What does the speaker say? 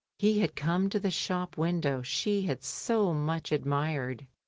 He had come to the shop window she so much admired.